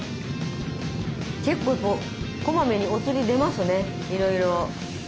結構こまめにおつり出ますねいろいろ。